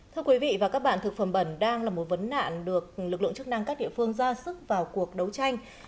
thưa quý vị và các bạn thực phẩm bẩn đang là một vấn nạn được lực lượng chức năng các địa phương ra sức vào cuộc đấu tranh